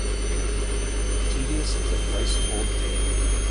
Tedious as a twice-told tale